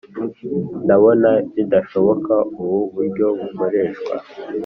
ndabona bidashoboka ubu buryo bukoreshwa